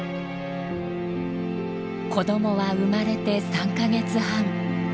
子どもは生まれて３か月半。